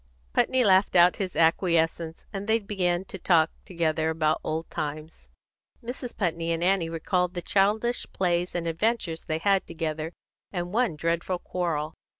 Putney laughed out his acquiescence, and they began to talk together about old times. Mrs. Putney and Annie recalled the childish plays and adventures they had together, and one dreadful quarrel.